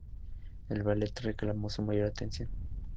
El ballet reclamó su mayor atención.